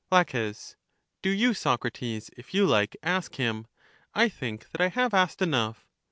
La, Do you, Socrates, if you like, ask him : I think that I have asked enough.